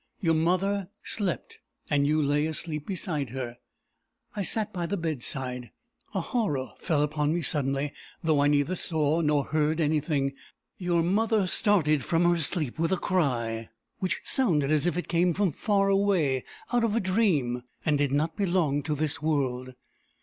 Your mother slept, and you lay asleep beside her. I sat by the bedside. A horror fell upon me suddenly, though I neither saw nor heard anything. Your mother started from her sleep with a cry, which sounded as if it came from far away, out of a dream, and did not belong to this world.